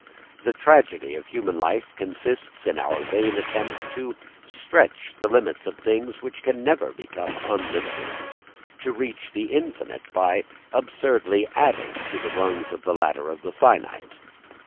The tragedy of human life consists in our vain attempts to stretch the limits of things which can never become unlimited, to reach the infinite by absurdly adding to the rungs of the ladder of the finite.